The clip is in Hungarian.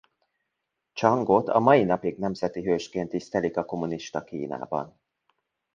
Csangot a mai napig nemzeti hősként tisztelik a kommunista Kínában.